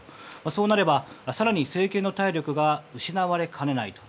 そうなれば、更に政権の体力が失われかねないと。